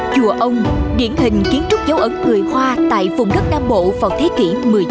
chùa ông điển hình kiến trúc dấu ấn người hoa tại vùng đất nam bộ vào thế kỷ một mươi chín